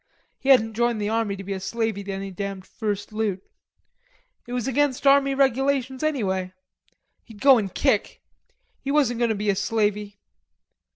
He hadn't joined the army to be a slavey to any damned first loot. It was against army regulations anyway. He'd go and kick. He wasn't going to be a slavey....